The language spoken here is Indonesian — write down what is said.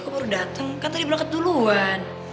kamu baru dateng kan tadi belakang ketuluan